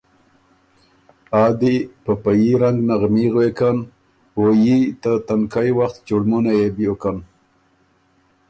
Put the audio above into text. آ دی په په يي رنګ نغمي غوېکن۔ او يي ته تنکئ وخت چُړمُونئ يې بیوکن۔